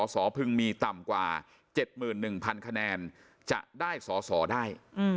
สพึงมีต่ำกว่า๗๑๐๐คะแนนจะได้สอสอได้